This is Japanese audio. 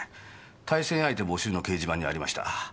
対戦相手募集の掲示板にありました。